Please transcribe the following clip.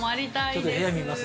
ちょっと部屋、見ます。